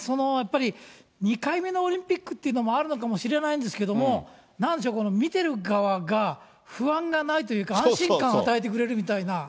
やっぱり２回目のオリンピックっていうのもあるのかもしれないんですけれども、なんせ、見てる側が不安がないというか、安心感を与えてくれるみたいな。